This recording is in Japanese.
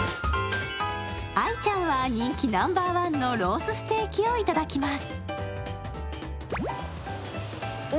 愛ちゃんは、人気のナンバーワンのロースステーキをいただきます。